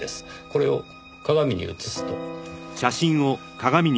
これを鏡に映すと。